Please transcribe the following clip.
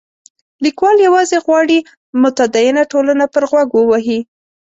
لیکوال یوازې غواړي متدینه ټولنه پر غوږ ووهي.